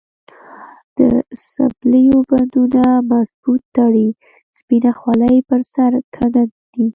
د څپلیو بندونه مضبوط تړي، سپینه خولې پر سر کږه ږدي.